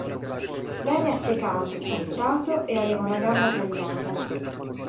Venne accecato, castrato e aveva una gamba tagliata.